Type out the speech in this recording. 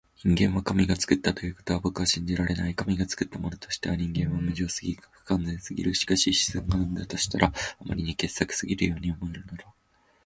人間は神が創ったということは僕は信じられない。神が創ったものとしては人間は無情すぎ、不完全すぎる。しかし自然が生んだとしたら、あまりに傑作すぎるように思えるのだ。